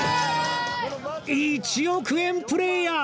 １億円プレーヤー！